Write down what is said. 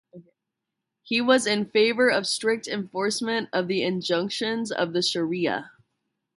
He was in favour of strict enforcement of the injunctions of the "Sharia".